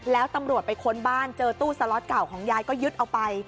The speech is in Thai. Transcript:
แล้วตำรวจไปค้นบ้านเจอตู้สล็อตเก่าของยายก็ยึดเอาไป